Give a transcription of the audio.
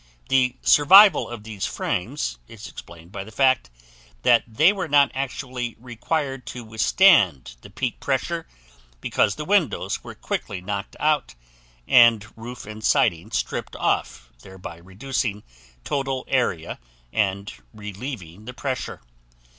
The survival of these frames is explained by the fact that they were not actually required to withstand the peak pressure because the windows were quickly knocked out and roof and siding stripped off thereby reducing total area and relieving the pressure.